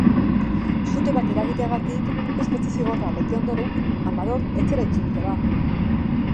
Sute bat eragiteagatik espetxe-zigorra bete ondoren, Amador etxera itzuliko da.